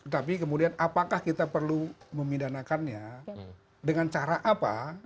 tapi kemudian apakah kita perlu memidanakannya dengan cara apa